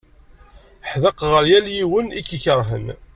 Ḥdeq ɣer yal win i k-ikeṛhen.